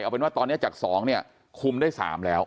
เอาเป็นว่าตอนนี้จาก๒เนี่ยคุมได้๓แล้ว